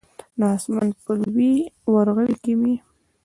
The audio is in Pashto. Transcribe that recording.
د اسمان په لوی ورغوي کې مې